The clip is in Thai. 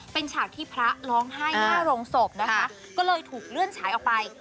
เป็นฉากที่พระร้องไห้หน้าโรงศพนะคะก็เลยถูกเลื่อนฉายออกไป